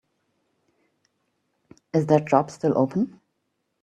Is that job still open?